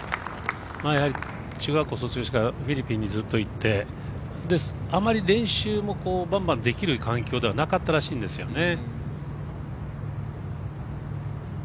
やはり、中学校卒業してからフィリピンにずっと行ってあまり練習もバンバンできる環境ではなかったらしいんですよね。